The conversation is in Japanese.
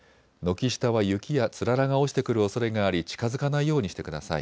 軒下は雪やつららが落ちてくるおそれがあり近づかないようにしてください。